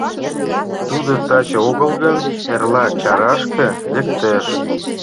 Тудо таче огыл гын, эрла чарашке лектеш.